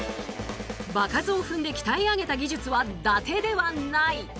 場数を踏んで鍛え上げた技術はダテではない。